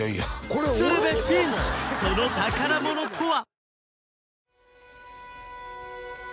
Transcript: その宝物とは？